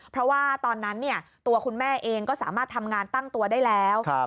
เพราะว่าตอนนั้นตัวคุณแม่เองก็สามารถทำงานตั้งตัวได้แล้ว